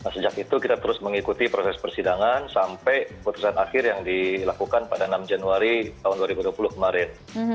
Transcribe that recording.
sejak itu kita terus mengikuti proses persidangan sampai putusan akhir yang dilakukan pada enam januari tahun dua ribu dua puluh kemarin